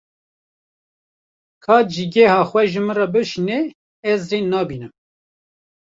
Ka cîgeha xwe ji min re bişîne, ez rê nabînim.